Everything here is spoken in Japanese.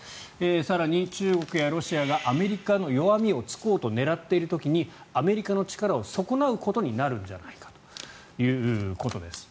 更に、中国やロシアがアメリカの弱みを突こうと狙っている時にアメリカの力を損なうことになるんじゃないかということです。